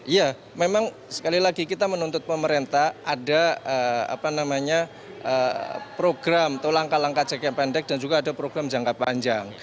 iya memang sekali lagi kita menuntut pemerintah ada program atau langkah langkah cek yang pendek dan juga ada program jangka panjang